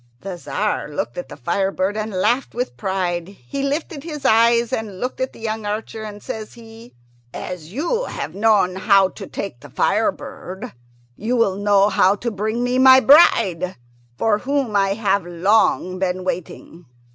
The Tzar looked at the fire bird and laughed with pride. Then he lifted his eyes and looked at the young archer, and says he, "As you have known how to take the fire bird, you will know how to bring me my bride, for whom I have long been waiting.